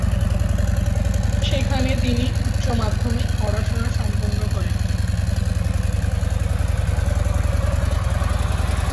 সেখানে তিনি উচ্চ মাধ্যমিক পড়াশোনা সম্পন্ন করেন।